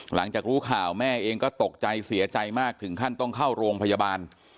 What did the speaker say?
หลังจากรู้ข่าวแม่เองก็ตกใจเสียใจมากถึงขั้นต้องเข้าโรงพยาบาล